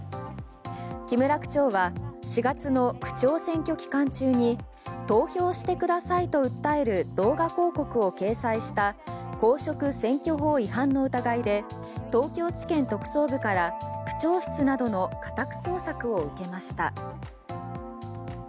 木村区長は４月の区長選挙期間中に投票してくださいと訴える動画広告を掲載した公職選挙法違反の疑いで東京地検特捜部から区長室などの家宅捜索を受けました。